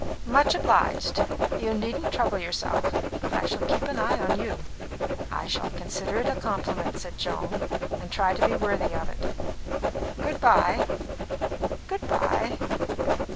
"Much obliged. You needn't trouble yourself. But I shall keep my eye on you." "I shall consider it a compliment," said Joan, "and try to be worthy of it." "Good bye." "Good bye."